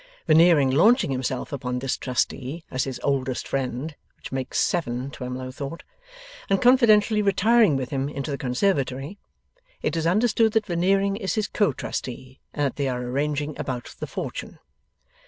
Veneering launching himself upon this trustee as his oldest friend (which makes seven, Twemlow thought), and confidentially retiring with him into the conservatory, it is understood that Veneering is his co trustee, and that they are arranging about the fortune.